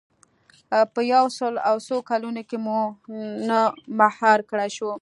په یو سل او څو کلونو کې مو نه مهار کړای شو.